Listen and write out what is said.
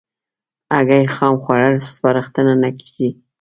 هګۍ خام خوړل سپارښتنه نه کېږي.